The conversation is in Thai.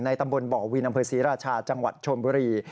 ตำบลบ่อวินอำเภอศรีราชาจังหวัดชนบุรี